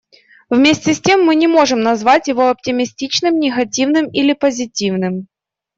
Вместе с тем, мы не можем назвать его оптимистичным, негативным или позитивным.